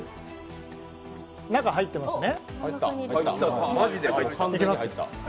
中、入ってますね。